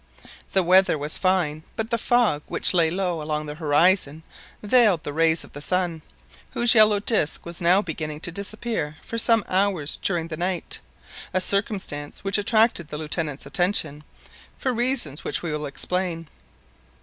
The weather was fine, but the fog which lay low along the horizon veiled the rays of the sun, whose yellow disk was now beginning to disappear for some hours during the night, a circumstance which attracted the Lieutenant's attention, for reasons which we will explain.